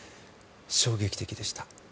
衝撃的でした。